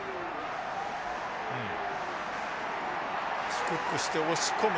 低くして押し込む。